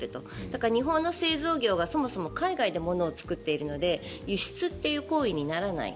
だから、日本の製造業がそもそも海外で物を作っているので輸出という行為にならない。